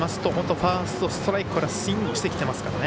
ファーストストライクからスイングしてきてますからね。